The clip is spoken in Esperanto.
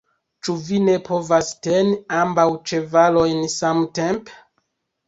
Ĉu vi ne povas teni ambaŭ ĉevalojn samtempe?